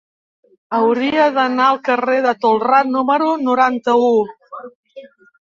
Hauria d'anar al carrer de Tolrà número noranta-u.